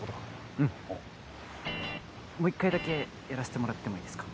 うんもう一回だけやらせてもらってもいいですか？